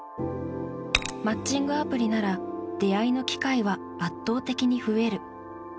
マッチングアプリなら出会いの機会は圧倒的に増える。